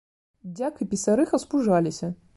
Дзяк і пісарыха спужаліся.